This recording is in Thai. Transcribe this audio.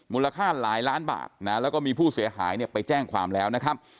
หลายล้านบาทนะแล้วก็มีผู้เสียหายเนี่ยไปแจ้งความแล้วนะครับ